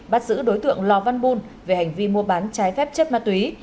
bắt giữ đối tượng lò văn bùn về hành vi mua bán trái phép chất ma túy